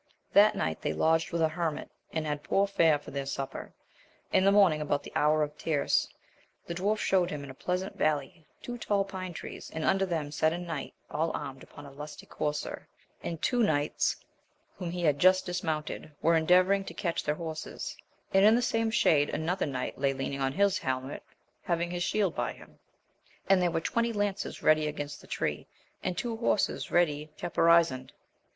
; That night they lodged with a hermit, and had poor fare for their supper. In the morning about the hour of tierce, the dwarf showed him in a pleasant valley two tall pine trees, and under them sate a knight all armed, upon a lusty co\XT«»et, aw^ \wo V\\\^"s».j^\tfsvaL AMADIS OF GAUL 113 he had just dismounted, were endeavouring to catch their horses ; and in the same shade another knight lay leaning on his hehnet, having his shield by him ; and there were twenty lances ready against the tree, and two horses ready caparisoned.